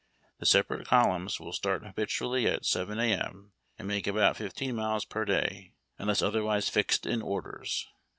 The separate columns will start habitually at 7 A. M., and make about fifteen miles per day, unless otherwise fixed in orders."